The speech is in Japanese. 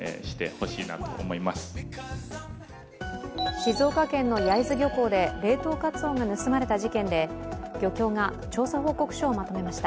静岡県の焼津漁港で冷凍カツオが盗まれた事件で漁協が調査報告書をまとめました。